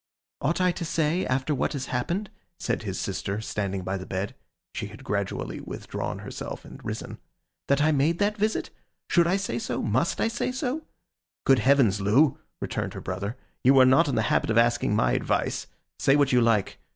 'Ought I to say, after what has happened,' said his sister, standing by the bed—she had gradually withdrawn herself and risen, 'that I made that visit? Should I say so? Must I say so?' 'Good Heavens, Loo,' returned her brother, 'you are not in the habit of asking my advice. Say what you like.